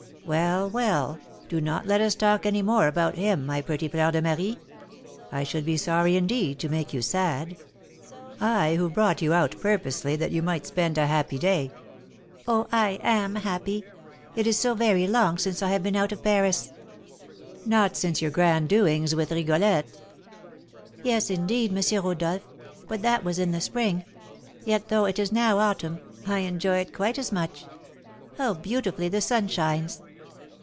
"Well, well, do not let us talk any more about him, my pretty Fleur de Marie. I should be sorry, indeed, to make you sad, I, who brought you out purposely that you might spend a happy day." "Oh, I am happy. It is so very long since I have been out of Paris." "Not since your grand doings with Rigolette." "Yes, indeed, M. Rodolph; but that was in the spring. Yet, though it is now autumn, I enjoy it quite as much. How beautifully the sun shines!